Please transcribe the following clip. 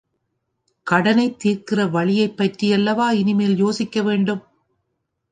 கடனைத் தீர்க்கிற வழியைப் பற்றியல்லவா இனிமேல் யோசிக்க வேண்டும்?